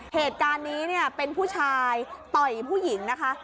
เหตุการณ์นี้เนี่ยเป็นผู้ชายต่อยผู้หญิงนะคะ